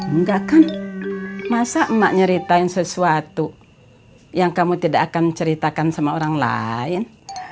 enggak kan masa emak nyeritain sesuatu yang kamu tidak akan ceritakan sama orang lain